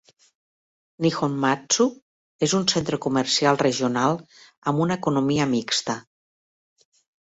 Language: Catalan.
Nihonmatsu és un centre comercial regional amb una economia mixta.